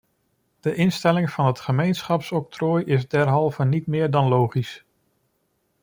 De instelling van het gemeenschapsoctrooi is derhalve niet meer dan logisch.